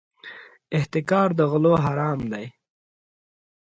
احتکار د غلو حرام دی.